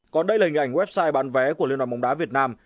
còn đây là hình ảnh website bán vé của liên đoàn bóng đá việt nam